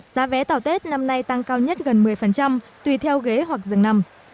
giá vé tàu tết năm nay tăng cao nhất gần một mươi tùy theo ghế hoặc dừng nằm